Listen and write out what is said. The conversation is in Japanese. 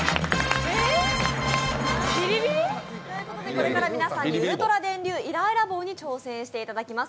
これから皆さんにウルトラ電流イライラ棒に挑戦していただきます。